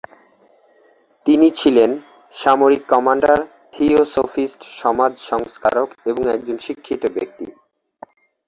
তিনি ছিলেন “সামরিক কমান্ডার, থিওসোফিস্ট, সমাজ সংস্কারক এবং একজন শিক্ষিত ব্যক্তি”।